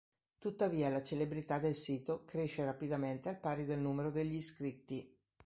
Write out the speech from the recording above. Tuttavia la celebrità del sito cresce rapidamente al pari del numero degli iscritti.